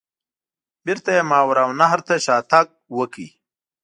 بیرته یې ماوراء النهر ته شاته تګ وکړ.